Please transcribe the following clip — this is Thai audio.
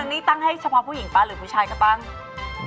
อันนี้ตั้งให้เฉพาะผู้หญิงป๊ะหรือผู้ชายก็บ้าง